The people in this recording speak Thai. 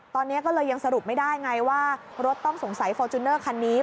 ตอนนี้ก็เลยยังสรุปไม่ได้ไงว่ารถต้องสงสัยฟอร์จูเนอร์คันนี้